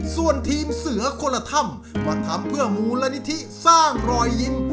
ส่วนทีมเสือกลธรรมมาทำเพื่อหมู่ละนิทิสร้างรอยยิ้ม